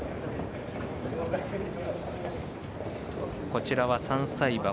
こちらは３歳馬。